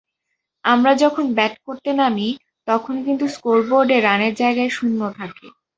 আমরা যখন ব্যাট করতে নামি, তখন কিন্তু স্কোরবোর্ডে রানের জায়গায় শূন্য থাকে।